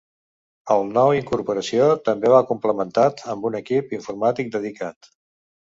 El nou incorporació també va complementat amb un equip informàtic dedicat.